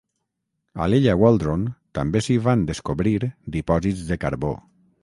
A l'illa Waldron també s'hi van descobrir dipòsits de carbó.